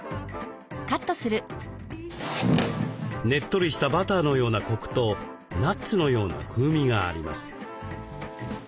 ねっとりしたバターのようなコクとナッツのような風味があります。